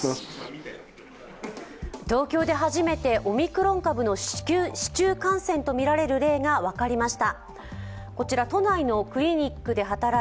東京で初めてオミクロン株の市中感染とみられる例が分かりました。